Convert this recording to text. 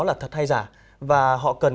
là thật hay giả và họ cần